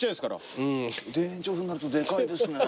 田園調布になるとでかいですね。